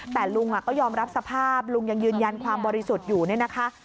แต่ลุงก็ยอมรับสภาพลุงยังยืนยันความบริสุทธิ์อยู่เนี่ยนะคะ